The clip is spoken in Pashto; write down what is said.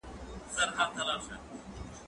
زه بايد انځورونه رسم کړم